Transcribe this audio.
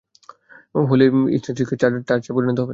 Holi incense stick, টর্চে পরিনত হবে।